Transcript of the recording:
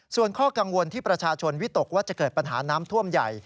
ส่วนข้อกังวลที่ประชาชนวิตกว่าจะเกิดปัญหาน้ำท่วมใหญ่